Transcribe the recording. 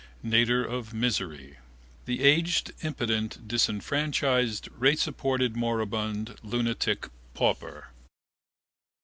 Nadir of misery: the aged impotent disfranchised ratesupported moribund lunatic pauper.